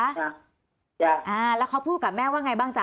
จ้ะจ้ะอ่าแล้วเขาพูดกับแม่ว่าไงบ้างจ๊